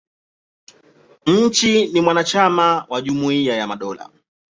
Nchi ni mwanachama wa Jumuia ya Madola.